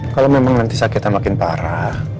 kalau memang nanti sakitnya makin parah